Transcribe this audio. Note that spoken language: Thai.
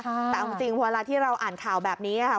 แต่เอาจริงเวลาที่เราอ่านข่าวแบบนี้ค่ะ